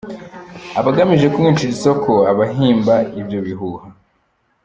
abagamije kumwicira isoko abhimba ibyo bihuha.